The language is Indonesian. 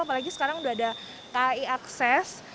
apalagi sekarang sudah ada kai akses